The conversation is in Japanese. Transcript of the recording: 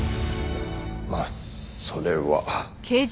まあそれは。